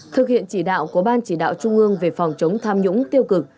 thực hiện chỉ đạo của ban chỉ đạo trung ương về phòng chống tham nhũng tiêu cực